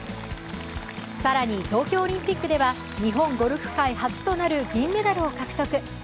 更に東京オリンピックでは、日本ゴルフ界初となる銀メダルを獲得。